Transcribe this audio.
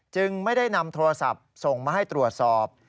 จึงไม่ได้นำโทรศัพท์ส่งมาให้ตรวจสอบ